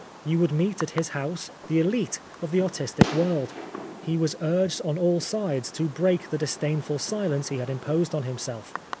You would meet at his house the tlite of the artistic world. He was urged on all sides to break the disdain ful silence he had imposed on himself.